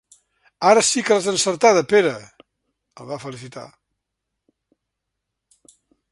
Ara sí que l'has encertada, Pere —el va felicitar—.